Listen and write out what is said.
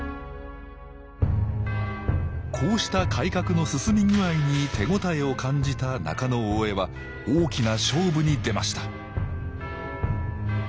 こうした改革の進み具合に手応えを感じた中大兄は大きな勝負に出ました